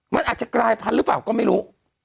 มันอาจจะกลายพันธุ์หรือเปล่าก็ไม่รู้